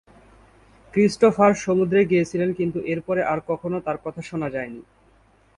Christopher সমুদ্রে গিয়েছিলেন কিন্তু এর পরে আর কখনও তার কথা শোনা যায়নি।